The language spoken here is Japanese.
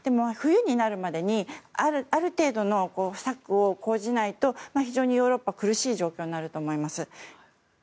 冬になるまでに、ある程度の策を講じないと、非常にヨーロッパは苦しい状況になると思います。